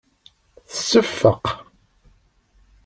Tseffeq.